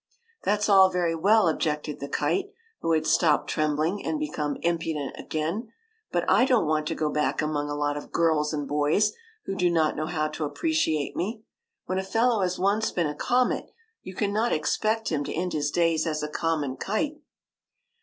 "That 's all very well," objected the kite, who had stopped trembling and become impudent again ;'* but I don't want to go back among a lot of girls and boys who do not know how to appreciate me. When a fellow has once been a comet, you cannot expect him to end his days as a common kite."